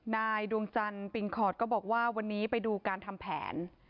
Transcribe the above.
ดวงจันทร์ปิงคอร์ดก็บอกว่าวันนี้ไปดูการทำแผน